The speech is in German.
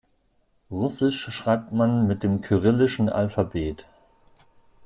Russisch schreibt man mit dem kyrillischen Alphabet.